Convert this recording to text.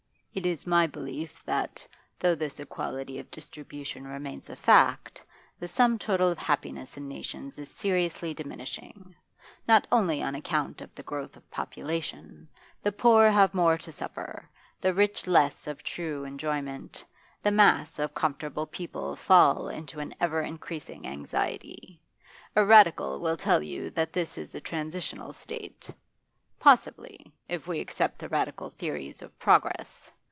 It is my belief that, though this equality of distribution remains a fact, the sum total of happiness in nations is seriously diminishing. Not only on account of the growth of population; the poor have more to suffer, the rich less of true enjoyment, the mass of comfortable people fall into an ever increasing anxiety. A Radical will tell you that this is a transitional state. Possibly, if we accept the Radical theories of progress.